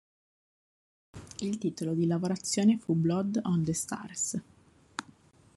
Il titolo di lavorazione fu "Blood on the Stars".